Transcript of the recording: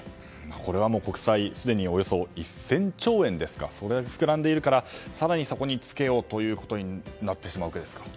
これは国債すでに１０００兆円ですか膨らんでいるから更にそこにつけようということになってしまうわけですか。